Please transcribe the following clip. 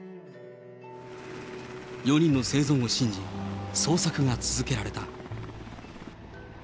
４人の生存を信じ、捜索が続けられた。